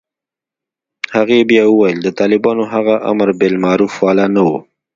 هغې بيا وويل د طالبانو هغه امربالمعروف والا نه و.